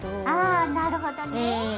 ああなるほどねぇ。